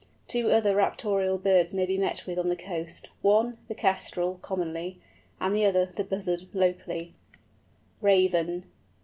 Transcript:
Two other Raptorial birds may be met with on the coast—one, the Kestrel, commonly; and the other, the Buzzard, locally. RAVEN.